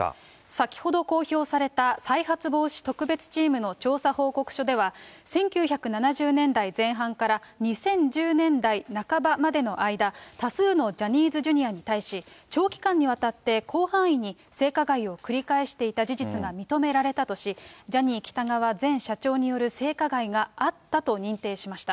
先ほど公表された再発防止特別チームの調査報告書では、１９７０年代前半から２０１０年代半ばまでの間、多数のジャニーズＪｒ．に対し、長期間にわたって広範囲に性加害を繰り返していた事実が認められたとし、ジャニー喜多川前社長による性加害があったと認定しました。